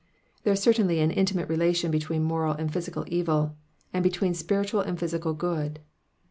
There is certainly an intimate relation between moral and physical evil, and between spiritual and physical good.